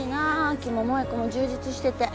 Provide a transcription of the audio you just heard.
亜紀も萠子も充実してて。